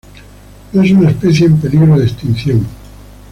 No es una especie en peligro de extinción.